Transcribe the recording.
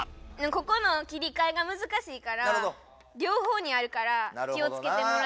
ここの切りかえがむずかしいから両方にあるから気をつけてもらいたい。